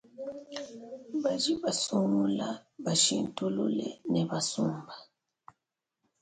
Badi basungula, bashintulule ne basumba.